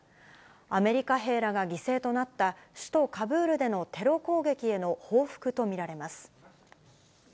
アメリカ兵らが犠牲となった首都カブールでのテロ攻撃への報復と見られます。